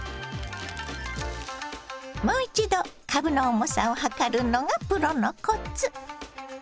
もう一度かぶの重さを量るのがプロのコツ。